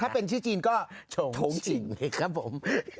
ถ้าเป็นชื่อจีนก็โชงจริงครับผม